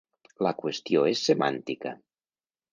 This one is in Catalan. La qüestió és semàntica.